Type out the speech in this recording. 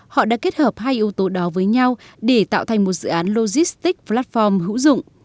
họ đã kết hợp hai yếu tố đó với nhau để tạo thành một dự án logistics platform hữu dụng